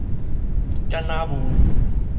簡仔霧